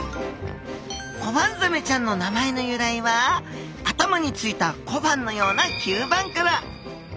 コバンザメちゃんの名前の由来は頭についた小判のような吸盤から。